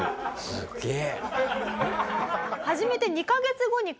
すげえ！